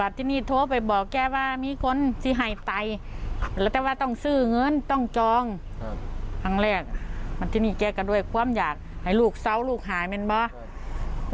อันแรกวันที่นี่แกก็ด้วยความอยากให้ลูกเศร้าลูกหายมันบ้า